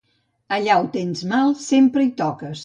Allà on tens mal, sempre hi toques.